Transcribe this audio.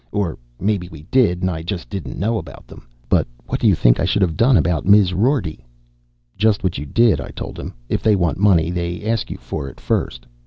Or maybe we did and I just didn't know about them. But what do you think I should've done about Miz Rorty?" "Just what you did," I told him. "If they want money, they ask you for it first.